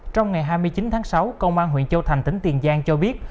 trong ngày hai mươi chín tháng sáu công an huyện châu thành tỉnh tiền giang cho biết